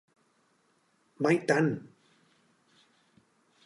Mai tant!